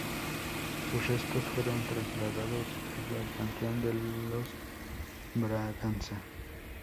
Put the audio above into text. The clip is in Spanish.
Sus restos fueron trasladados desde el Panteón de los Braganza.